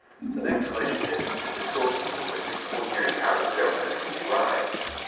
The next relation is, to the sources from which the ordinary powers of government are to be derived.